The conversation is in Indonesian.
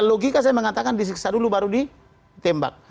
logika saya mengatakan disiksa dulu baru ditembak